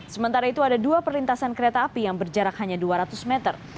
sementara itu ada dua perlintasan kereta api yang berjarak hanya dua ratus meter